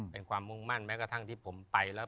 เป็นความมุ่งมั่นแม้กระทั่งที่ผมไปแล้ว